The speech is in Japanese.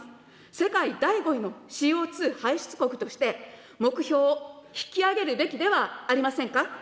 世界第５位のＣＯ２排出国として、目標を引き上げるべきではありませんか。